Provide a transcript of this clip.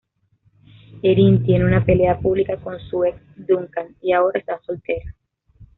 Erin tiene una pelea pública con su ex Duncan, y ahora esta soltera.